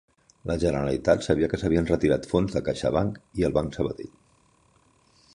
La Generalitat sabia que s'havien retirat fons de CaixaBank i el Banc Sabadell